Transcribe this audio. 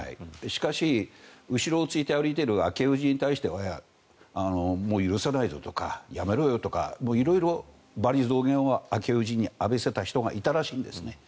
しかし、後ろをついて歩いている昭恵夫人に対してはもう許さないぞとかやめろよとか色々、罵詈雑言を昭恵夫人に浴びせた人がいたらしいんですね。